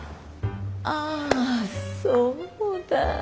あそうだ。